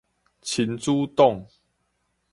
親子丼